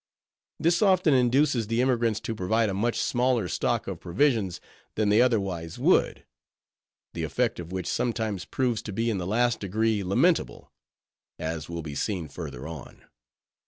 This often induces the emigrants to provide a much smaller stock of provisions than they otherwise would; the effect of which sometimes proves to be in the last degree lamentable; as will be seen further on.